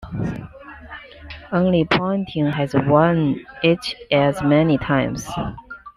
Only Ponting has won it as many times.